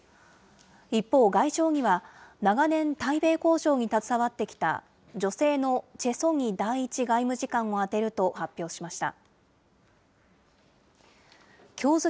一方、外相には、長年、対米交渉に携わってきた女性のチェ・ソニ第１外務次官をあてると発表しました。